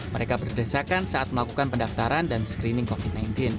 mereka berdesakan saat melakukan pendaftaran dan screening covid sembilan belas